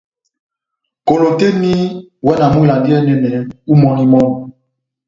Kolo tɛ́h eni, iwɛ na mɔ́ ivalandi iyɛ́nɛ ó imɔni-imɔni.